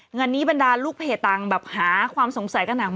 เงินนี้บรรดาลูกเพจตังค์แบบหาความสงสัยขนาด